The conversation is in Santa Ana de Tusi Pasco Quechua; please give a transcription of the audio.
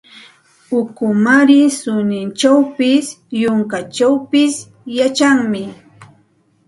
Ukumaari suninchawpis, yunkachawpis yachanmi.